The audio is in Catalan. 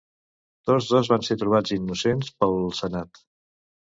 Tots dos van ser trobats innocents pel senat.